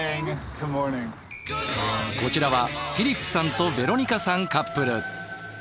こちらはフィリップさんとヴェロニカさんカップル。